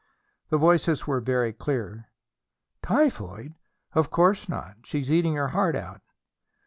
The voices were very clear. "Typhoid! Of course not. She's eating her heart out."